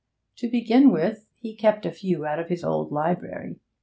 To begin with, he kept a few out of his old library.